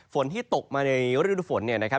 ฝนที่ตกมาในฤดูฝนเนี่ยนะครับ